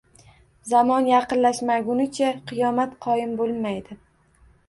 Zamon yaqinlashmagunicha qiyomat qoim bo‘lmaydi.